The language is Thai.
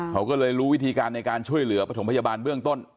เขาก็เลยรู้วิธีการในการช่วยเหลือประถมพยาบาลเบื้องต้น